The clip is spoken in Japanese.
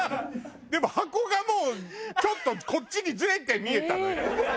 でも箱がもうちょっとこっちにずれて見えたのよ。